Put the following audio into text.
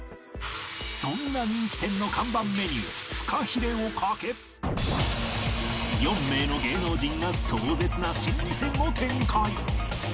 そんな人気店の看板メニューフカヒレを賭け４名の芸能人が壮絶な心理戦を展開